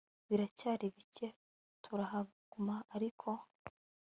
biracyari bike turahaguma ariko